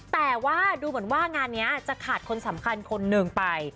แต่ว่าดูเหมือนว่างานนี้จะขาดคนสำคัญคนหนึ่งไป